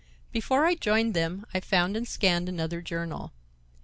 Before I joined them I found and scanned another journal.